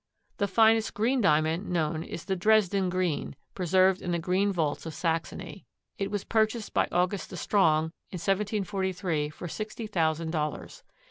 The finest green Diamond known is the "Dresden Green" preserved in the Green Vaults of Saxony. It was purchased by August the Strong in 1743 for sixty thousand dollars.